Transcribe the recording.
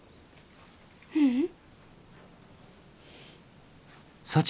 ううん。